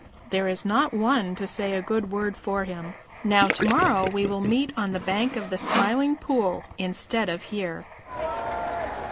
There is not one to say a good word for him. Now to morrow we will meet on the bank of the Smiling Pool instead of here."